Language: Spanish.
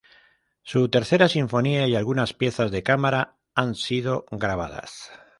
Su "Tercera sinfonía" y algunas piezas de cámara han sido grabadas.